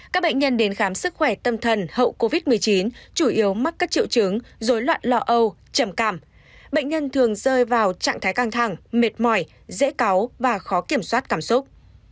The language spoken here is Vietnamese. các bệnh nhân đến khám sức khỏe tâm thần hậu covid một mươi chín chủ yếu mắc các triệu chứng dối loạn lo âu trầm cảm bệnh nhân thường rơi vào trạng thái căng thẳng mệt mỏi dễ có và khó kiểm soát cảm xúc